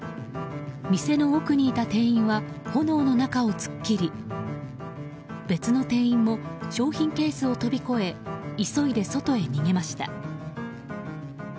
店の奥にいた店員は炎の中を突っ切り別の店員も商品ケースを飛び越え急いで外へ逃げました。